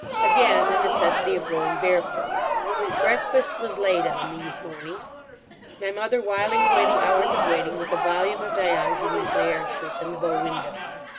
Again the necessity of going barefoot. Breakfast was late on these mornings, my mother whiling away the hours of waiting with a volume of Diogenes Laertius in the bow window.